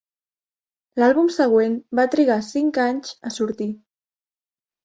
L'àlbum següent va trigar cinc anys a sortir.